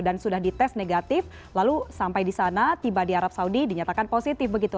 dan sudah dites negatif lalu sampai di sana tiba di arab saudi dinyatakan positif begitu